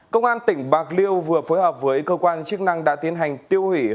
công an tp hcm vừa phối hợp với cơ quan chức năng đã tiến hành tiêu diệt